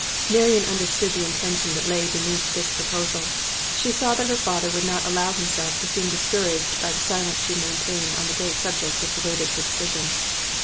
Marian understood the intention that lay beneath this proposal. She saw that her father would not allow himself to seem discouraged by the silence she maintained on the great subject which awaited her decision.